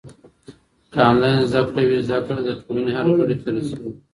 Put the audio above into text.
که انلاین زده کړه وي، زده کړه د ټولنې هر غړي ته رسېږي.